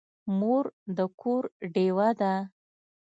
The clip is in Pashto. مور د کور ډېوه ده.